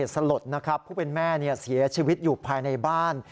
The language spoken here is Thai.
สลดนะครับผู้เป็นแม่เสียชีวิตอยู่ภายในบ้าน